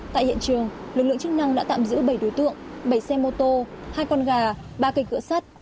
tại hiện trường lực lượng chức năng đã tạm giữ bảy đối tượng bảy xe mô tô hai con gà ba cây cỡ sắt